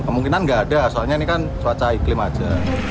kemungkinan nggak ada soalnya ini kan cuaca iklim aja